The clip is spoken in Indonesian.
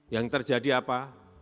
yang terjadi apa